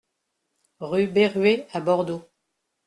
Rue Berruer à Bordeaux